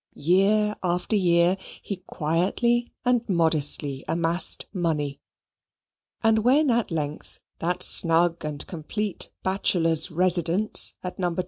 Year after year he quietly and modestly amassed money, and when at length that snug and complete bachelor's residence at No.